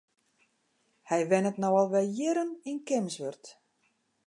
Hy wennet no al wer jierren yn Kimswert.